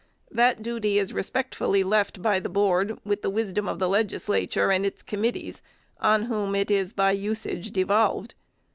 That duty is respectfully left by the Board, with the wisdom of the Legislature and its committees, on whom it is by usage devolved.